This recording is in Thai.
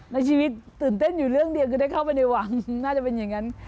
ในชีวิตตื่นเต้นอยู่เรื่องเดียวคือได้เข้าไปในวังน่าจะเป็นอย่างนั้น